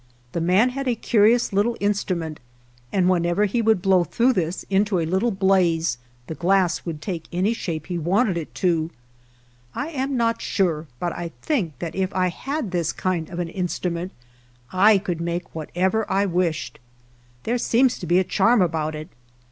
The man had a curious little instrument, and whenever he would blow through this into a little blaze the glass would take any shape he wanted it to. I am not sure, but I think 203 GERONTMO that if I had this kind of an instrument I could make whatever I wished. There seems to be a charm about it.